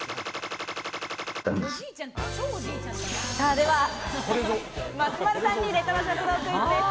では松丸さんにレトロ食堂クイズです。